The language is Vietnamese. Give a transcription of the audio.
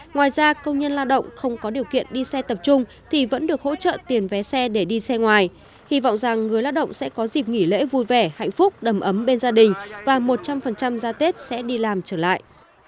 ngoài ra công nhân lao động không có điều kiện đi xe tập trung thì vẫn được hỗ trợ tiền vé xe để đi xe ngoài hy vọng rằng người lao động sẽ có dịp nghỉ lễ vui vẻ hạnh phúc đầm ấm bên gia đình và một trăm linh ra tết sẽ đi làm trở lại